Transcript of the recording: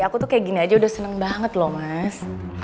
aku tuh kayak gini aja udah seneng banget loh mas